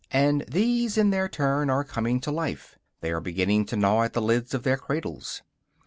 And these, in their turn, are coming to life; they are beginning to gnaw at the lids of their cradles.